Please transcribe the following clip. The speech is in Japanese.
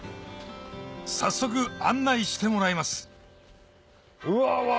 早速案内してもらいますうわうわ